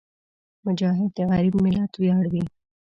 مجاهد د غریب ملت ویاړ وي.